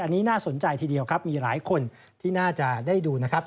อันนี้น่าสนใจทีเดียวครับมีหลายคนที่น่าจะได้ดูนะครับ